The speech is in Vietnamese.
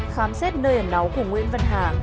khám xét nơi ẩn náu của nguyễn văn hà